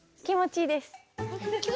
きもちいいです。